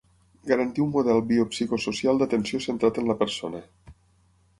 Garantir un model biopsicosocial d'atenció centrat en la persona.